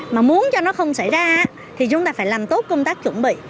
mà muốn cho nó không xảy ra thì chúng ta phải làm tốt công tác chuẩn bị